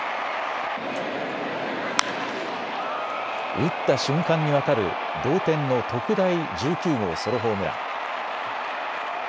打った瞬間に分かる同点の特大１９号ソロホームラン。